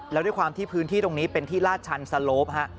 แล้วด้วยความที่พื้นที่ตรงนี้เป็นที่ลาดชันสโลป